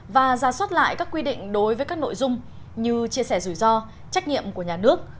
và ra soát lại các quy định đối với các nội dung như chia sẻ rủi ro trách nhiệm của nhà nước